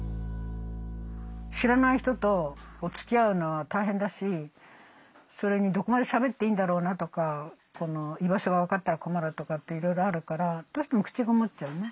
知らない人とつきあうのは大変だしそれにどこまでしゃべっていいんだろうなとか居場所が分かったら困るとかっていろいろあるからどうしても口ごもっちゃうね。